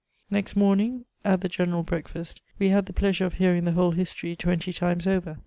Next morning, at the general breakfast, we had the pleasure of hearing the whole history twenty times over.